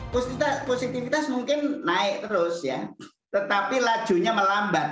positifitas mungkin naik terus ya tetapi lajunya melambat